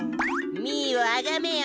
ミーをあがめよ。